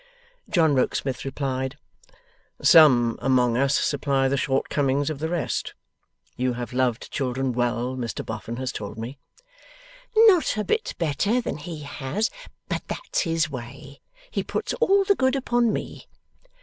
John Rokesmith replied, 'Some among us supply the short comings of the rest. You have loved children well, Mr Boffin has told me.' 'Not a bit better than he has, but that's his way; he puts all the good upon me.